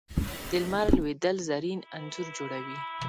د لمر لوېدل زرین انځور جوړوي